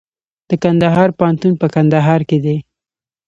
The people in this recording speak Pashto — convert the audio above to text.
د کندهار پوهنتون په کندهار کې دی